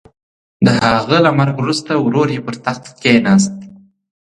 د هغه له مرګ وروسته ورور یې پر تخت کېناست.